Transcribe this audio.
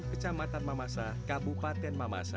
kecamatan mamasa kabupaten mamasa